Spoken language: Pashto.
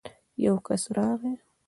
يو کس راغی.